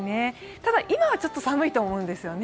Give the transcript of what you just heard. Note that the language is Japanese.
ただ、今はちょっと寒いと思うんですよね。